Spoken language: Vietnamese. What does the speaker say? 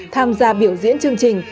tham gia biểu diễn chương trình